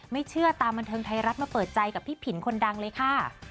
ไม่เชื่อตามบันเทิงไทยรัฐมาเปิดใจกับพี่ผินคนดังเลยค่ะ